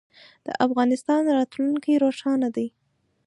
د افغانستان راتلونکی روښانه دی.